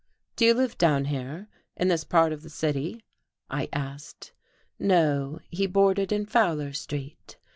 "Do you live down here, in this part of the city?" I asked. No, he boarded in Fowler Street.